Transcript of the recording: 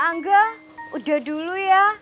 angga udah dulu ya